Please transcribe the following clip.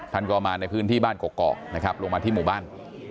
ท่านก็มาในพื้นที่บ้านกอกนะครับลงมาที่หมู่บ้าน